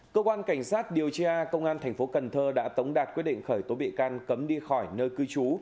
cơ quan cảnh sát điều tra công an thành phố cần thơ đã tống đạt quyết định khởi tố bị can cấm đi khỏi nơi cư trú